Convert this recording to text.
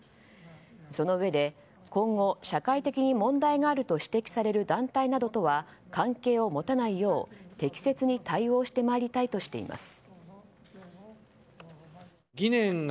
そのうえで今後、社会的に問題があると指摘される団体などとは関係を持たないよう適切に対応してまいりたいとしています。